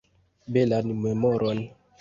Belan memoron!